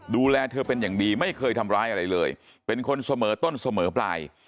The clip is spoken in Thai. ดูแลเธอเป็นอย่างดีไม่เคยทำร้ายอะไรเลยเป็นคนเสมอต้นเสมอปลาย